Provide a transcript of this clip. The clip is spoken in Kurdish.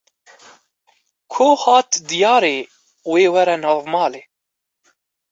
Ku hat diyarê, wê were nav malê